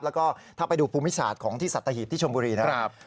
แล้วก็ถ้าไปดูภูมิศาสตร์ของที่สัตหีบที่ชมบุรีนะครับ